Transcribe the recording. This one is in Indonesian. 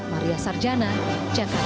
maria sarjana jakarta